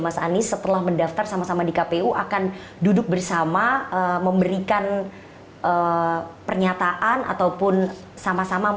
mas anies setelah mendaftar sama sama di kpu akan duduk bersama memberikan pernyataan ataupun sama sama